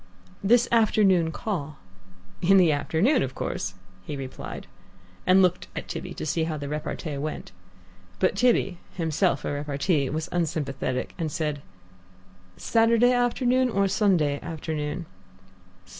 "This afternoon call." "In the afternoon, of course!" he replied, and looked at Tibby to see how the repartee went. But Tibby, himself a repartee, was unsympathetic, and said, "Saturday afternoon or Sunday afternoon?"